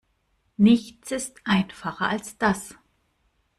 Nichts ist einfacher als das.